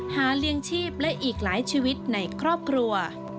เลี้ยงชีพและอีกหลายชีวิตในครอบครัว